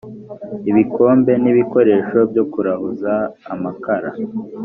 ibikombe n ibikoresho byo kurahuza amakara